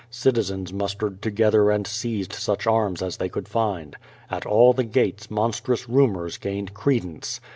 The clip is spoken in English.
Citizens mustered together and seized such arms as they could flnd. At all the gates monstrous rumors gained credence.